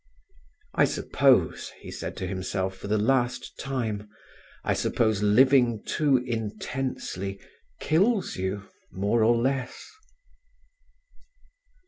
"I suppose," he said to himself for the last time, "I suppose living too intensely kills you, more or less."